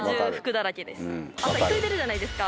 朝急いでるじゃないですか。